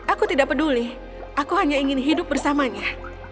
aku tidak peduli aku hanya ingin hidup bersamanya